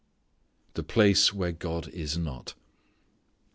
The Place Where God is Not.